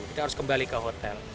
kita harus kembali ke hotel